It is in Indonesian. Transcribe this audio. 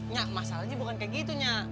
nya masalahnya bukan kayak gitu nyak